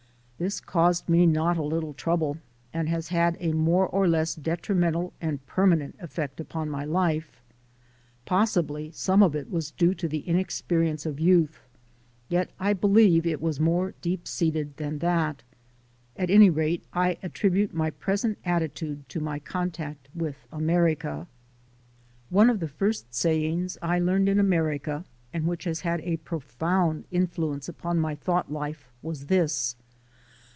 This caused me not a little trouble, and has had a more or less detrimental and permanent effect upon my life. Possibly some of it was due to the inexperience of youth, yet I believe it was more deep seated than that. At any rate, I at tribute my present attitude to my contact with America. One of the first sayings I learned in America, and which has had a profound influence upon my thought life was this.